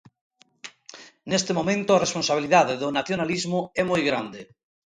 Neste momento a responsabilidade do nacionalismo é moi grande.